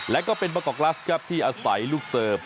และก็เป็นมากอกลัสครับที่อาศัยลูกเสิร์ฟ